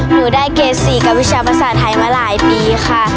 หนูได้เกษีกับวิชาภาษาไทยมาหลายปีค่ะ